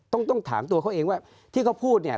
ต้องถามตัวเขาเองว่าที่เขาพูดเนี่ย